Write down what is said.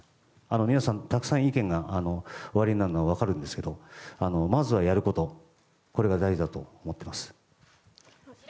皆さん、たくさん意見がおありになるのは分かるんですがまずはやることこれが大事だと思っています。